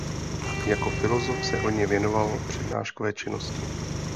Jako filozof se hojně věnoval přednáškové činnosti.